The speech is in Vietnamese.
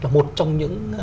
là một trong những